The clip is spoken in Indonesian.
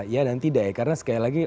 ya dan tidak ya karena sekali lagi